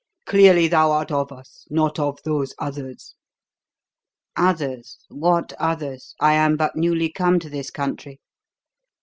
"Clearly thou art of us not of those others." "Others? What others? I am but newly come to this country."